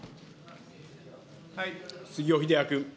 杉尾秀哉君。